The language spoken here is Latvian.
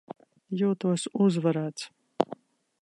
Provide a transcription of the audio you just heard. Jūtos uzvarēts.